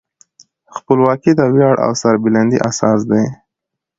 خپلواکي د ویاړ او سربلندۍ اساس دی.